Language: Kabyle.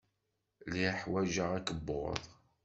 Lliɣ ḥwajeɣ akebbuḍ.